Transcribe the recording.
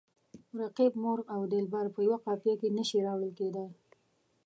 رقیب، مرغ او دلبر په یوه قافیه کې نه شي راوړل کیدلای.